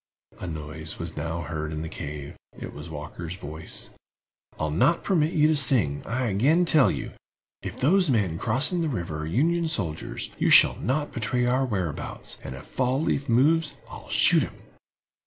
A noise was now heard in the cave; it was Walker's voice. "I'll not permit you to sing, I again tell you. If those men crossing the river are Union soldiers, you shall not betray our whereabouts, and if Fall leaf moves I'll shoot him!"